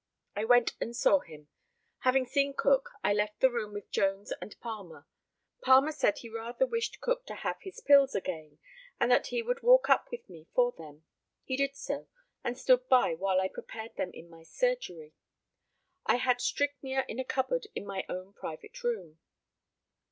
I went and saw him. Having seen Cook, I left the room with Jones and Palmer. Palmer said he rather wished Cook to have his pills again, and that he would walk up with me for them. He did so, and stood by while I prepared them in my surgery. I had strychnia in a cupboard in my own private room.